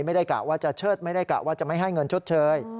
กะว่าจะเชิดไม่ได้กะว่าจะไม่ให้เงินชดเชย